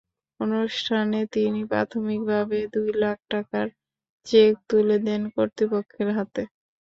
অনুষ্ঠানে তিনি প্রাথমিকভাবে দুই লাখ টাকার চেক তুলে দেন কর্তৃপক্ষের হাতে।